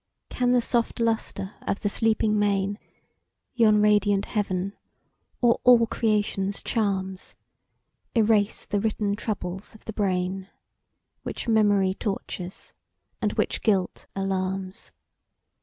Can the soft lustre of the sleeping main, Yon radiant heaven, or all creation's charms, "Erase the written troubles of the brain," Which memory tortures, and which guilt alarms?